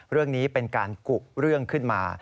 เรื่องนี้เป็นการกุเรื่องขึ้นมา